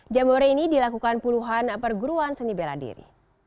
jambore ini dilakukan puluhan perguruan seni bela diri